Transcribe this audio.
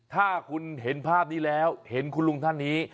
ถ้าคุณเห็นภาพนี้แล้วเห็นคุณลุงท่านนี้